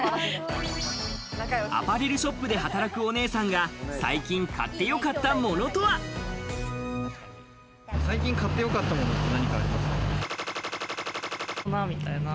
アパレルショップで働くお姉さんが最近買ってよかったものとは？の粉みたいな。